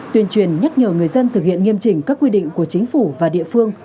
tuyên truyền nhắc nhở người dân thực hiện nghiêm chỉnh các quy định của chính phủ và địa phương